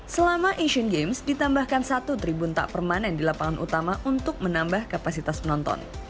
selama asian games ditambahkan satu tribun tak permanen di lapangan utama untuk menambah kapasitas penonton